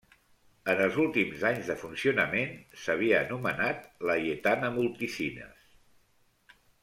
En els últims anys de funcionament s'havia anomenat Laietana Multicines.